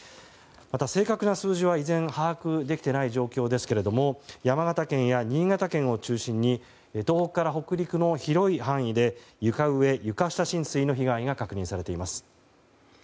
また正確な数字は依然把握できていない状況ですけれども山形県や新潟県を中心に東北から北陸の広い範囲で床上・床下浸水の被害が確認されています。